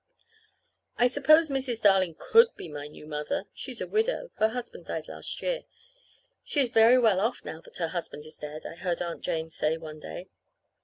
I suppose Mrs. Darling could be my new mother. She's a widow. Her husband died last year. She is very well off now that her husband is dead, I heard Aunt Jane say one day.